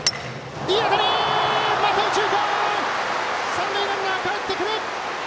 三塁ランナーかえってくる！